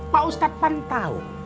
pak ustadz paling tahu